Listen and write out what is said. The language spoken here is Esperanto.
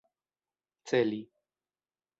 celi